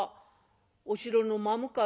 「お城の真向かいやな。